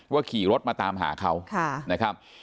ขี่รถมาตามหาเขานะครับ